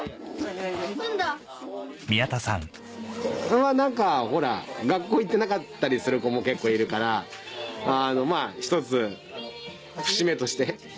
それは何かほら学校行ってなかったりする子も結構いるからひとつ節目として。